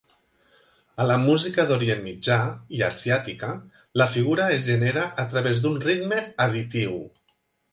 A la música d'Orient Mitjà i asiàtica, la figura es genera a través d'un ritme additiu.